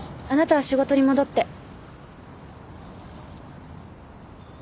あなたは仕事に戻って。